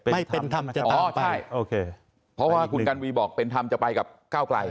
ไม่เป็นธรรมจริงอ๋อใช่โอเคเพราะว่าคุณกันวีบอกเป็นธรรมจะไปกับก้าวไกล